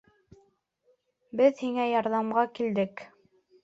Беҙ һиңә ярҙамға килдек!